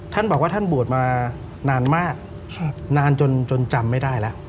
ท่านบอกว่าท่านบวชมานานมากนานจนจำไม่ได้แล้ว